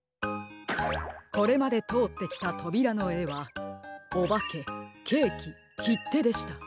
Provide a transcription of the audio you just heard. これまでとおってきたとびらのえはおばけケーキきってでした。